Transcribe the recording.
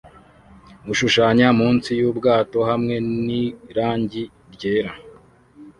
ashushanya munsi yubwato hamwe n irangi ryera